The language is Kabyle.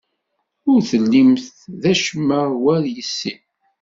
Ur tellimt d acemma war yes-i.